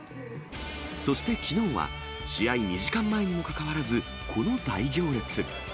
そしてきのうは、試合２時間前にもかかわらず、この大行列。